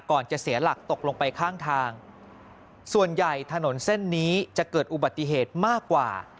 จะเสียหลักตกลงไปข้างทางส่วนใหญ่ถนนเส้นนี้จะเกิดอุบัติเหตุมากกว่า